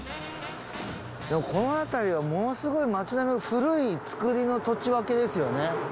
この辺りはものすごい町並みの古いつくりの土地わけですよね。